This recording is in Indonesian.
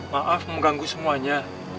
maaf mengganggu semuanya